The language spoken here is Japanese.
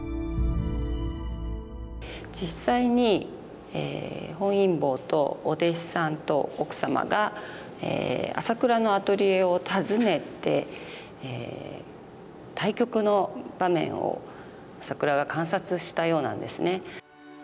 実際に本因坊とお弟子さんと奥様が朝倉のアトリエを訪ねて対局の場面を朝倉が観察したようなんですね。